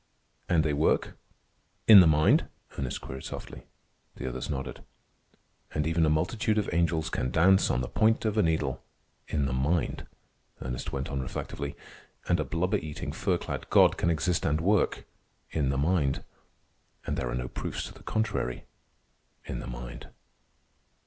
"And they work—in the mind?" Ernest queried softly. The other nodded. "And even a multitude of angels can dance on the point of a needle—in the mind," Ernest went on reflectively. "And a blubber eating, fur clad god can exist and work—in the mind; and there are no proofs to the contrary—in the mind.